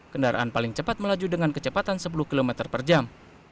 kendaraan paling cepat melaju dengan kecepatan sepuluh km per jam